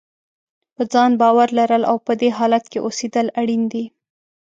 په ځان باور لرل او په دې حالت کې اوسېدل اړین دي.